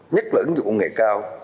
nhất lẫn cho công nghệ cao